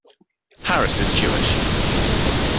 Harris is Jewish.